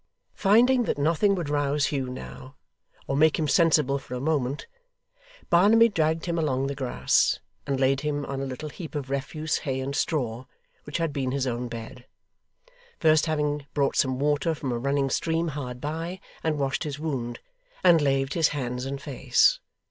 Finding that nothing would rouse Hugh now, or make him sensible for a moment, Barnaby dragged him along the grass, and laid him on a little heap of refuse hay and straw which had been his own bed; first having brought some water from a running stream hard by, and washed his wound, and laved his hands and face.